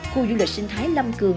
khu du lịch sinh thái lâm cường